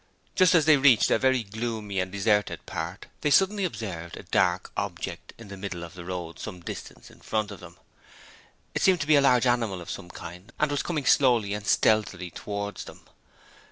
Just as they reached a very gloomy and deserted part, they suddenly observed a dark object in the middle of the road some distance in front of them. It seemed to be a large animal of some kind and was coming slowly and stealthily towards them.